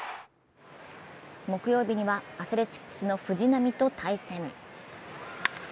木曜日にはアスレチックスの藤浪と対戦。